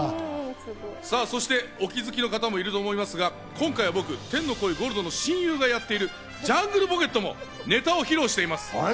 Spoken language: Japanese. そしてお気づきの方もいると思いますが、今回は僕、天の声ゴールドの親友がやっているジャングルポケットもネタを披露しています。